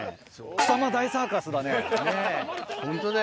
草間大サーカス。